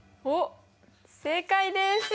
おっ正解です。